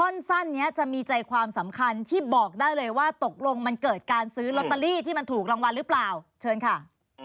สั้นนี้จะมีใจความสำคัญที่บอกได้เลยว่าตกลงมันเกิดการซื้อลอตเตอรี่ที่มันถูกรางวัลหรือเปล่าเชิญค่ะ